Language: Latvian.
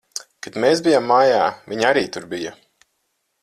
Kad mēs bijām mājā, viņa arī tur bija.